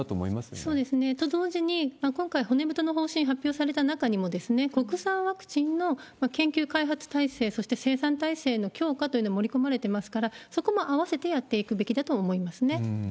そうですね。と同時に、今回、骨太の方針発表された中にも、国産ワクチンの研究開発体制、そして生産体制の強化というのを盛り込まれてますから、そこも併せてやっていくべきだと思いますね。